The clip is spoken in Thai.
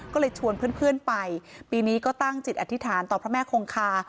ก็เลยชวนเพื่อนไปปีนี้ก็ตั้งจิตอธิษฐานต่อพระแม่คงคา